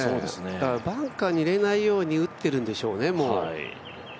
だからバンカーに入れないように打ってるんでしょうね、もう。